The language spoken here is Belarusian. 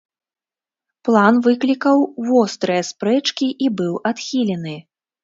План выклікаў вострыя спрэчкі і быў адхілены.